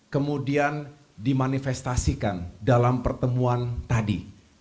kemudian dimanifestasikan dalam pertemuan tadi